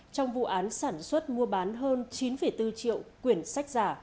trong vụ án sản xuất mua bán hơn chín bốn triệu quyển sách giả